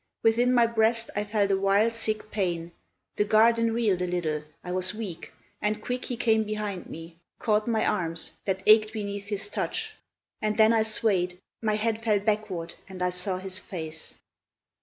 Within my breast I felt a wild, sick pain, The garden reeled a little, I was weak, And quick he came behind me, caught my arms, That ached beneath his touch; and then I swayed, My head fell backward and I saw his face.